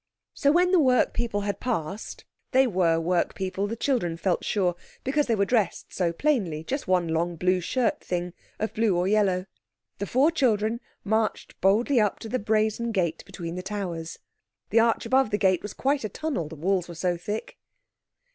So when the work people had passed (they were work people, the children felt sure, because they were dressed so plainly—just one long blue shirt thing—of blue or yellow) the four children marched boldly up to the brazen gate between the towers. The arch above the gate was quite a tunnel, the walls were so thick.